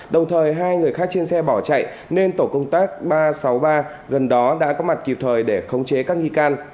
đồng thời hai người khác trên xe bỏ chạy nên tổ công tác ba trăm sáu mươi ba gần đó đã có mặt kịp thời để khống chế các nghi can